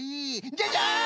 ジャジャン！